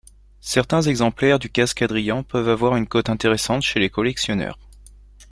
Certains exemplaires du casque Adrian peuvent avoir une cote intéressante chez les collectionneurs.